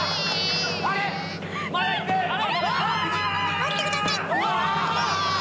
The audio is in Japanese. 下りてください！